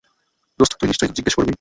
দোস্ত, তুই নিশ্চয়ই জিজ্ঞেস করবি।